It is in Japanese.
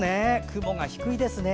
雲が低いですね。